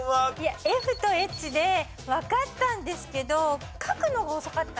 ＦとＨでわかったんですけど書くのが遅かった。